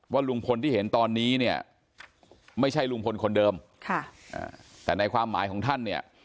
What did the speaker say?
ลุงพลที่เห็นตอนนี้เนี่ยไม่ใช่ลุงพลคนเดิมแต่ในความหมายของท่านเนี่ย